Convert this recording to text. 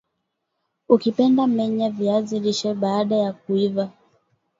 Ukipenda menya viazi lishe baada ya kuiva